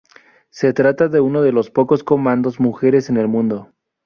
Se trata de uno de los pocos comandos mujeres en el mundo.